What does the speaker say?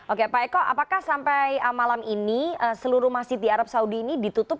oke pak eko apakah sampai malam ini seluruh masjid di arab saudi ini ditutup